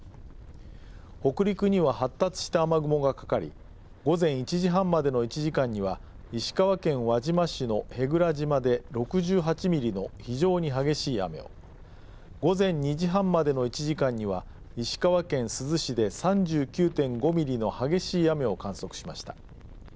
北陸には、発達した雨雲がかかり午前１時半までの１時間には石川県輪島市の舳倉島で６８ミリの非常に激しい雨を午前２時半までの１時間には石川県珠洲市で３９．５ミリの激しい雨を観測しました。